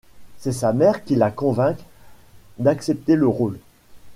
C'est sa mère qui la convainc d'accepter le rôle.